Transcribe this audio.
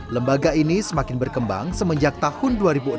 lembaga ini semakin berkembang semenjak tahun dua ribu enam belas